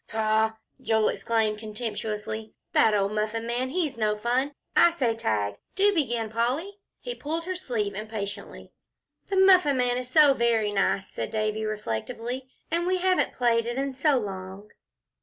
"Pshaw!" Joel exclaimed, contemptuously, "that old Muffin Man, he's no fun. I say 'Tag.' Do begin, Polly," he pulled her sleeve impatiently. "The Muffin Man is so very nice," said Davie, reflectively, "and we haven't played it in so long."